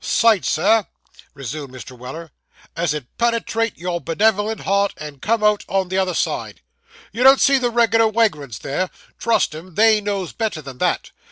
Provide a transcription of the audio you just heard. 'Sights, sir,' resumed Mr. Weller, 'as 'ud penetrate your benevolent heart, and come out on the other side. You don't see the reg'lar wagrants there; trust 'em, they knows better than that.